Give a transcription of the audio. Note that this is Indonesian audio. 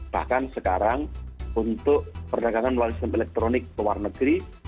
bahkan sekarang untuk perdagangan melalui sistem elektronik luar negeri